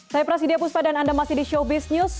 saya prasidya puspa dan anda masih di showbiz news